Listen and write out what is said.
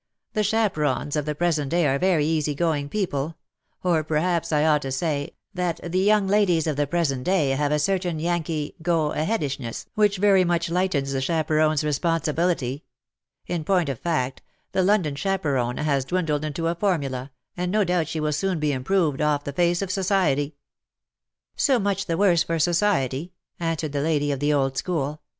The chaperons of the present day are very easy going people — or, perhaps I ought to say, that the young ladies of the present day have a certain Yankee go a headishness which very much lightens the chaperon^s responsibility. In point of fact, the London chaperon has dwindled into a formula, and no doubt she will soon be improved off the face of society.^^ " So much the worse for society,^' answered the ^NOT DEATH, BUT LOVE.'" 137 lady of the old school.